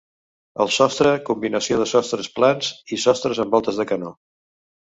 Al sostre, combinació de sostres plans i sostres amb voltes de canó.